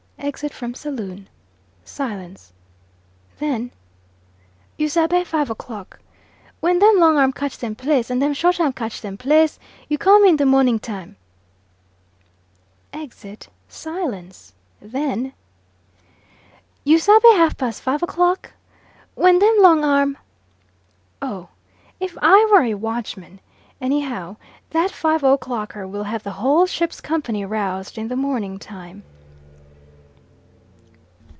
Exit from saloon silence then: "You sabe five o'clock? When them long arm catch them place, and them short arm catch them place, you call me in the morning time." Exit silence then: "You sabe half past five o'clock? When them long arm " Oh, if I were a watchman! Anyhow, that five o'clocker will have the whole ship's company roused in the morning time.